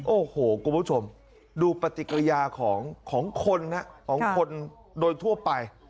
โอ้โหกลุ่มผู้ชมดูปฏิกิริยาของคนโดยทั่วไป